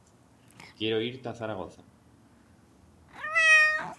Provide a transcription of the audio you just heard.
Quiero ir ta Zaragoza.